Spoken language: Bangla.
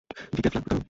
ডিক্যাফ লাগবে কারো?